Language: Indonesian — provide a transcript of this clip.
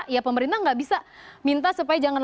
ya pemerintah gak bisa minta supaya itu diatur